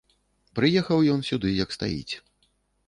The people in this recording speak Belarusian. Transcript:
Прыехаў ён сюды як стаіць.